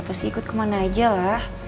pasti ikut ke mana aja lah